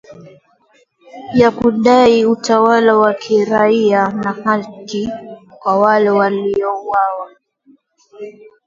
ya kudai utawala wa kiraia na haki kwa wale waliouawa